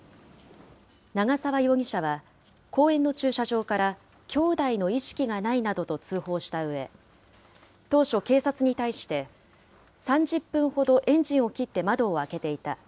長澤容疑者は、公園の駐車場からきょうだいの意識がないなどと通報したうえ、当初、警察に対して、３０分ほどエンジンを切って窓を開けていた。